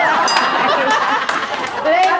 อะไรมั้ยครับ